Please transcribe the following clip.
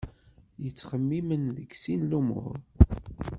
Yettxemmimen deg sin lumuṛ.